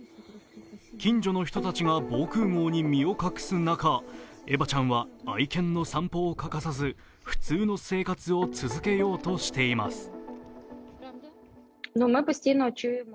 近所の人たちが防空ごうに身を隠す中エバちゃんは愛犬の散歩を欠かさず、普通の生活を続けようとしています。